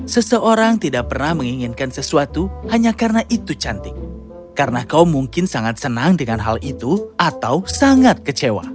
seseorang tidak pernah menginginkan sesuatu hanya karena itu cantik karena kau mungkin sangat senang dengan hal itu atau sangat kecewa